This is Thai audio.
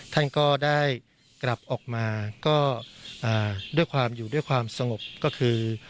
ท่านก็ได้กลับออกมาก็ด้วยความอยู่ด้วยความสงบก็คือ